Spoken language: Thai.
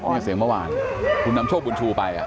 เสียงเมื่อวานคุณนำโชคบุญชูไป